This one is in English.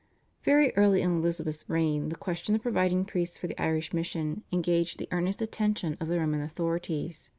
Very early in Elizabeth's reign the question of providing priests for the Irish mission engaged the earnest attention of the Roman authorities.